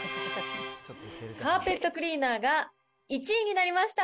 カーペットクリーナーが１位になりました。